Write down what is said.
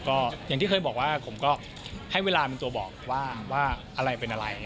ก็อย่างที่เคยบอกว่าผมก็ให้เวลาเป็นตัวบอกว่าอะไรเป็นอะไร